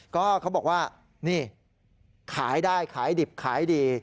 ก็เขาบอกว่านี่ขายได้ขายดิบขายดี